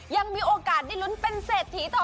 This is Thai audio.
ยังมีโอกาสได้ลุ้นเป็นเศรษฐี๒ล้านด้วยนะคะ